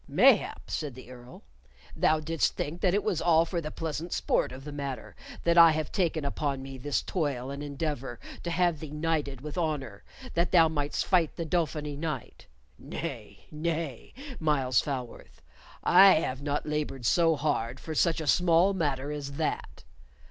"Mayhap," said the Earl, "thou didst think that it was all for the pleasant sport of the matter that I have taken upon me this toil and endeavor to have thee knighted with honor that thou mightst fight the Dauphiny knight. Nay, nay, Myles Falworth, I have not labored so hard for such a small matter as that.